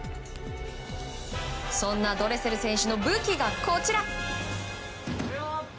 そんなドレセル選手の武器がこちら。